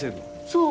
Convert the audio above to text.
そう。